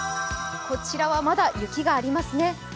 こちらはまだ雪がありますね。